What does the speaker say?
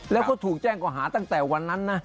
แล้วเขาถูกแจ้งก่อหาตั้งแต่วันนั้นนะ